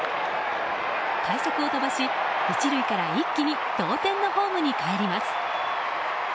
快足を飛ばし、１塁から一気に同点のホームにかえります。